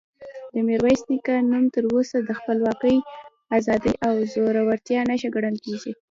د میرویس نیکه نوم تر اوسه د خپلواکۍ، ازادۍ او زړورتیا نښه ګڼل کېږي.